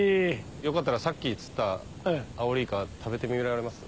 よかったらさっき釣ったアオリイカ食べてみられます？